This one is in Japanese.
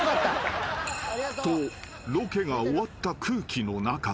［とロケが終わった空気の中］